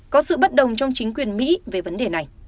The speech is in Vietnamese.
có sự bất đồng trong chính quyền mỹ về vấn đề này